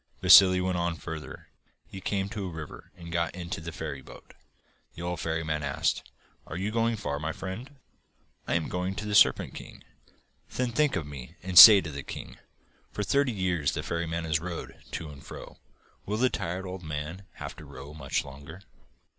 Vassili went on further. He came to a river and got into the ferryboat. The old ferryman asked: 'Are you going far, my friend?' 'I am going to the Serpent King.' 'Then think of me and say to the king: "For thirty years the ferryman has rowed to and fro. Will the tired old man have to row much longer?"